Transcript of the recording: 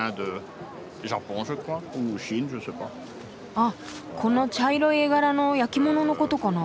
あっこの茶色い絵柄の焼き物のことかな。